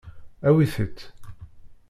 Awit-t.